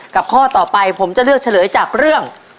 ข้อต่อไปผมจะเลือกเฉลยจากเรื่อง